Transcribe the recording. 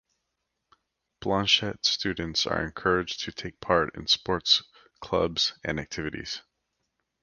Blanchet students are encouraged to take part in sports, clubs, and activities.